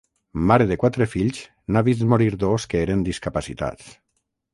Mare de quatre fills, n'ha vist morir dos que eren discapacitats.